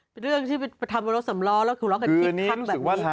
เป็นเรื่องที่ไปทำบริษัทสำร้อแล้วคุยร้องกันที่คักแบบนี้